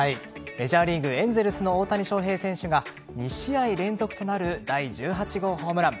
メジャーリーグエンゼルスの大谷翔平選手が２試合連続となる第１８号ホームラン。